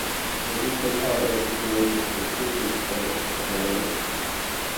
Resistor Rs isolates the circuit from the external load.